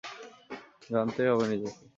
জানতেই হবে নিজেকে।